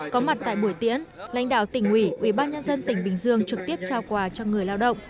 có mặt tại buổi tiễn lãnh đạo tỉnh ủy ủy ban nhân dân tỉnh bình dương trực tiếp trao quà cho người lao động